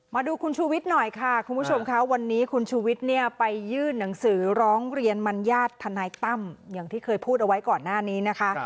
มาดูคุณชูวิทย์หน่อยค่ะคุณผู้ชมค่ะวันนี้คุณชูวิทย์เนี่ยไปยื่นหนังสือร้องเรียนมัญญาติทนายตั้มอย่างที่เคยพูดเอาไว้ก่อนหน้านี้นะคะ